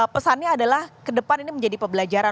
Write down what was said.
pesannya adalah ke depan ini menjadi pembelajaran